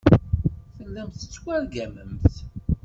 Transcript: Tellamt tettwargamemt.